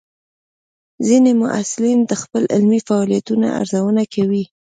ځینې محصلین د خپل علمي فعالیتونو ارزونه کوي.